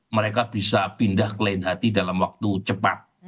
mereka bisa pindah ke lain hati dalam waktu cepat